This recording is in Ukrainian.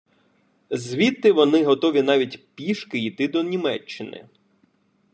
Звідти вони готові навіть пішки йти до Німеччини.